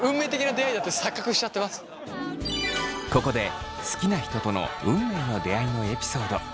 ここで好きな人との運命の出会いのエピソード。